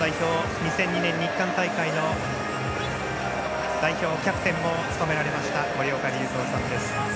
２００２年日韓大会の代表キャプテンも務められました森岡隆三さんです。